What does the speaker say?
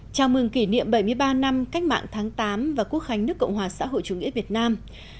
chào mừng kỷ niệm bảy mươi ba năm cách mạng tháng tám và quốc khánh nước cộng hòa xã hội chủ nghĩa việt nam